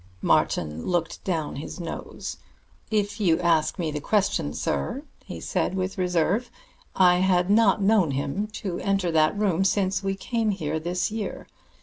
Martin looked down his nose. "If you ask me the question, sir," he said with reserve, "I had not known him enter that room since we came here this year.